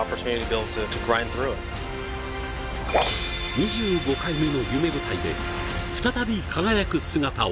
２５回目の夢舞台で再び輝く姿を。